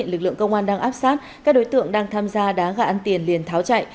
lực lượng công an đang áp sát các đối tượng đang tham gia đá gà ăn tiền liền tháo chạy